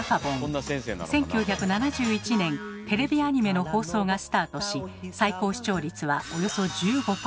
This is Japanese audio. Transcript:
１９７１年テレビアニメの放送がスタートし最高視聴率はおよそ１５％。